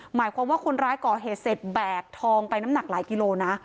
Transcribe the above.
หมายความว่าคนร้ายก่อเหตุเสร็จแบกทองไปน้ำหนักหลายกิโลนะ